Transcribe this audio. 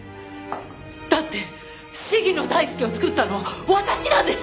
だって鴫野大輔を作ったのは私なんです！